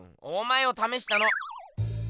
お前をためしたの。